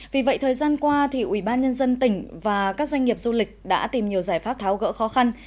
vì vậy thời gian qua ủy ban nhân dân tỉnh và các doanh nghiệp du lịch đã tìm nhiều giải pháp tháo gỡ khó khăn